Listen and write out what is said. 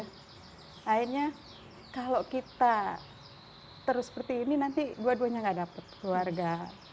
akhirnya kalau kita terus seperti ini nanti dua duanya gak dapat keluarga